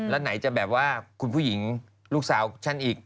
แล้วไหนจะแบบว่าคุณผู้หญิงลูกสาวฉันอีก